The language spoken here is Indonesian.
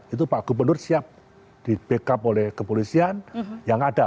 itu pak gubernur siap di backup oleh kepolisian yang ada